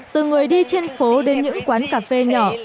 từ người đi trên phố đến những quán cà phê nhỏ